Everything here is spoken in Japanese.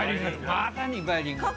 まさにバイリンガル。